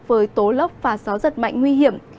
với tố lốc và gió giật mạnh nguy hiểm